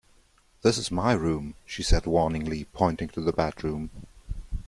"This is my room," she said warningly, pointing to the bedroom.